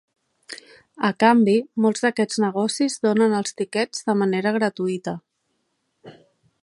A canvi, molts d'aquests negocis donen els tiquets de manera gratuïta.